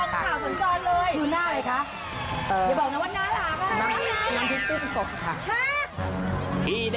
ข้อส่องคืออะไรคะ